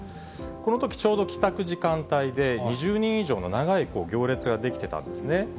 このとき、ちょうど帰宅時間帯で、２０人以上の長い行列が出来てたんですね。